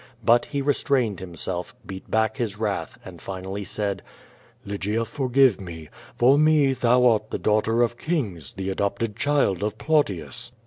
But he re strained himself, beat back his wrath, and finally said: "Lygia, forgive me. For me thou art the daughter of kings, the adopted child of Plautius."